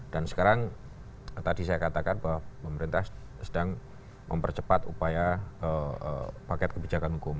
dan sekarang tadi saya katakan bahwa pemerintah sedang mempercepat upaya paket kebijakan hukum